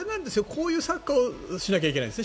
こういうサッカーをしないといけないんです